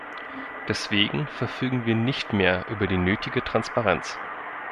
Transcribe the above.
Deswegen verfügen wir nicht mehr über die nötige Transparenz.